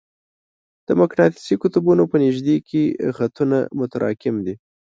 د مقناطیسي قطبونو په نژدې کې خطونه متراکم دي.